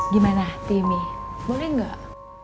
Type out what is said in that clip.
gimana timi boleh gak